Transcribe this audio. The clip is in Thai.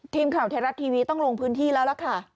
ทีมข่าวไทยรัฐทีวีต้องลงพื้นที่แล้วล่ะค่ะ